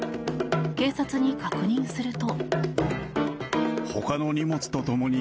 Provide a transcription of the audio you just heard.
警察に確認すると。